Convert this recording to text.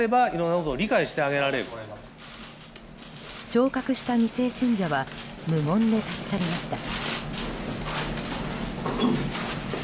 昇格した２世信者は無言で立ち去りました。